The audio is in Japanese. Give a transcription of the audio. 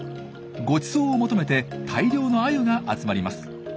ごちそうを求めて大量のアユが集まります。